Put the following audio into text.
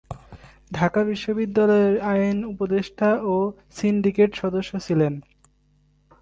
ঢাকা বিশ্ববিদ্যালয়ের আইন উপদেষ্টা এবং সিন্ডিকেট সদস্য ছিলেন।